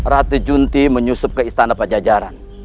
ratu junti menyusup ke istana pajajaran